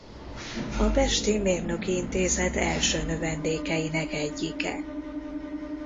A pesti Mérnöki Intézet első növendékeinek egyike.